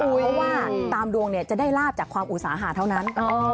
เพราะว่าตามดวงเนี่ยจะได้ลาบจากความอุตสาหาเท่านั้น